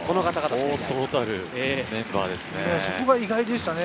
そうそうたるメンバーですね。